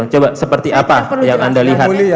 coba seperti apa yang anda lihat